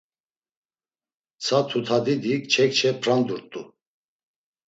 Mtsa tutadidi kçe kçe prandurt̆u.